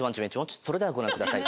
※！それではご覧ください。